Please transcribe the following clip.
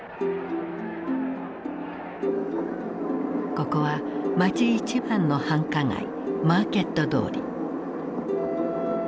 ここは街一番の繁華街マーケット通り。